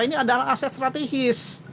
ini adalah aset strategis